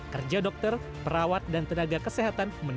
kerja dokter perawat dan tenaga kesehatan